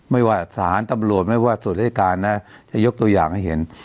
ไม่ว่าสารตำรวจไม่ว่าส่วนราชการนะจะยกตัวอย่างให้เห็น